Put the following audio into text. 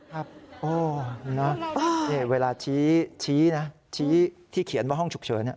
ครับโอ้น้องเวลาชี้ชี้นะชี้ที่เขียนว่าห้องฉุกเฉิน